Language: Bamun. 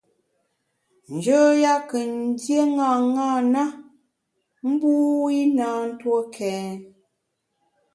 Njoya kù ndié ṅaṅâ na, mbu i na ntue kèn.